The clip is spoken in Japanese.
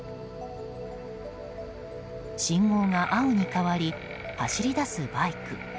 信号が青に変わり走り出すバイク。